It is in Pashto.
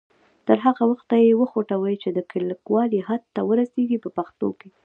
تر هغه وخته یې وخوټوئ چې د کلکوالي حد ته ورسیږي په پښتو کې.